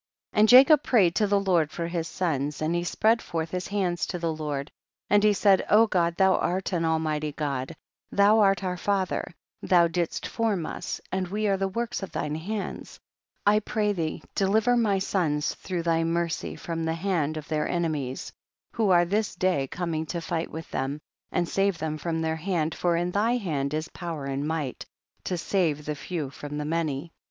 J 4. And Jacob prayed to the Lord for his sons, and he spread forth his hands to the Lord, and he said, O God, thou art an Almight)'^ God, thou art our father, thou didst form us and we are the works of thine hands ; I pray thee deliver my sons through thy mercy from tlie hand of their ene mies, who are this day coming to fight with them, and save them from their hand, for in thy hand is power and might, to save the few from the many.